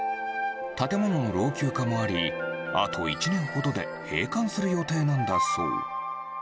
建物の老朽化もあり、あと１年ほどで閉館する予定なんだそう。